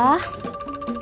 ah kang komar bisa aja